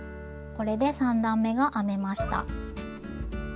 これで３段めが編めました。